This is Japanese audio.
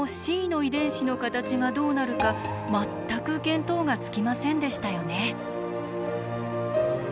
ｃの遺伝子の形がどうなるか全く見当がつきませんでしたよね。